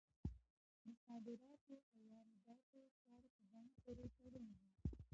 د صادراتو او وارداتو چارې په بانک پورې تړلي دي.